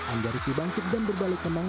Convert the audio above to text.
angga riki bangkit dan berbalik menang